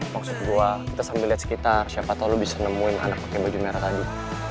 maksud gua kita sambil liat sekitar siapa tau lu bisa nemuin anak pake baju merah tadi